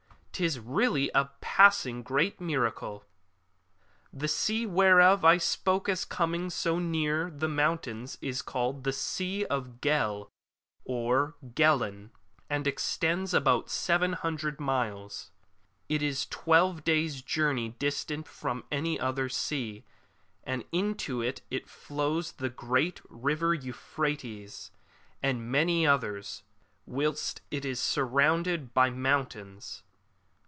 'Tis really a passing great miracle !^ That sea whereof I spoke as coming so near the mountains is called the Sea of Ghel or Ghelan, and extends about 700 miles. ^ It is twelve days' journey distant from any other sea, and into it flows the great River Euphrates and many others, whilst it is surrounded by mountains.